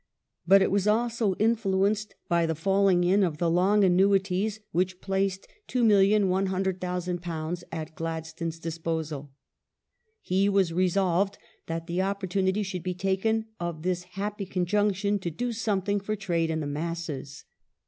But it was also influenced by the falling in of the long annuities which placed £2,100,000 at Gladstone's dis posal.^ He was resolved that the opportunity should be taken of this happy conjunction to " do something for trade and the masses